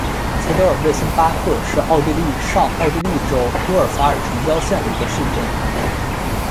福德尔魏森巴赫是奥地利上奥地利州乌尔法尔城郊县的一个市镇。